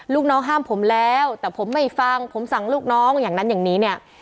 ลูกน้องห้ามผมแล้วแต่ผมไม่ฟังผมสั่งลูกน้องอย่างนั้นอย่างนี้เนี่ย